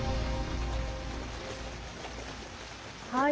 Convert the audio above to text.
はい。